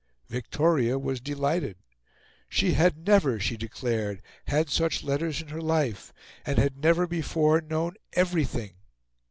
Victoria was delighted; she had never, she declared, had such letters in her life, and had never before known EVERYTHING.